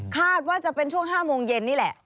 คาดว่าจะเป็นช่วง๕โมงเย็นนี่แหละ